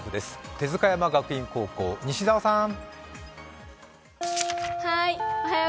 帝塚山学院高校、西澤さん。